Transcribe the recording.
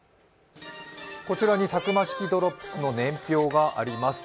こちらにサクマ式ドロップスの年表があります。